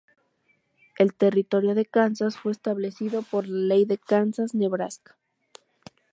El Territorio de Kansas fue establecido por la Ley de Kansas-Nebraska.